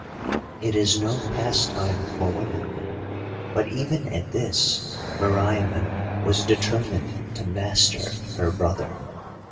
It is no pastime for women, but even at this Meriamun was determined to master her brother.